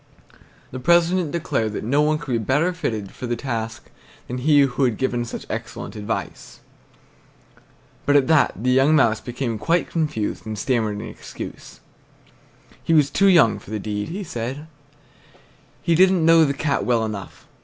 The president declared that no one could be better fitted for the task than he who had given such excellent advice. But at that the young mouse became quite confused and stammered an excuse. He was too young for the deed, he said. He didn't know the Cat well enough.